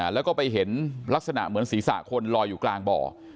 แล้วก็ไปเห็นลักษณะเหมือนศีรษะคนลอยอยู่กลางบ่อ